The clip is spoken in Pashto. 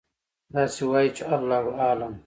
داسې وایئ چې: الله أعلم.